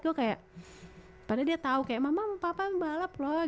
gue kayak padahal dia tau kayak mama mau papa balap loh